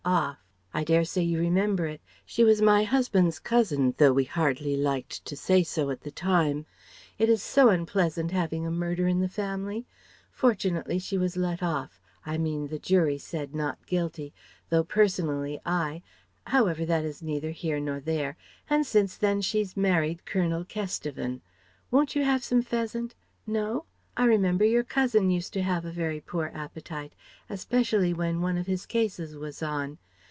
off I dare say you remember it? She was my husband's cousin though we hardly liked to say so at the time: it is so unpleasant having a murder in the family. Fortunately she was let off; I mean, the jury said 'not guilty,' though personally I However that is neither here nor there, and since then she's married Colonel Kesteven Won't you have some pheasant? No? I remember your cousin used to have a very poor appetite, especially when one of his cases was on.